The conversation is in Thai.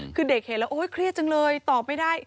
คือเด็กเห็นแล้วโอ๊ยเครียดจังเลยตอบไม่ได้